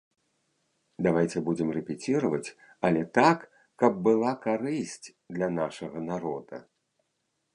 Давайце будзем рэпеціраваць, але так, каб была карысць для нашага народа.